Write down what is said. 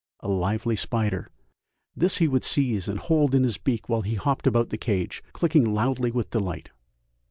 _, a lively spider; this he would seize and hold in his beak while he hopped about the cage, clicking loudly with delight.